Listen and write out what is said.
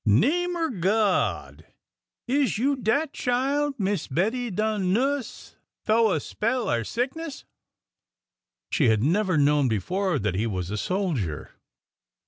i '' Name er God ! Is you dat chile Miss Bettie done nuss j thoo a spell er sickness ?! She had never known before that he was a soldier.